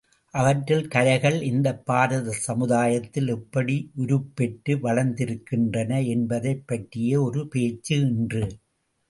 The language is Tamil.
அவற்றில் கலைகள் இந்தப் பாரத சமுதாயத்தில் எப்படி உருப்பெற்று வளர்ந்திருக்கின்றன என்பதைப் பற்றியே ஒரு பேச்சு இன்று.